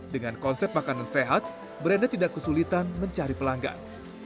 dengan konsep makanan sehat branda tidak kesulitan mencari pelanggan